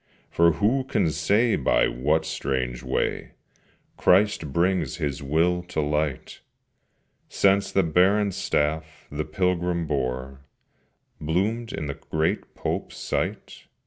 For who can say by what strange way, Christ brings His will to light, Since the barren staff the pilgrim bore Bloomed in the great Pope's sight?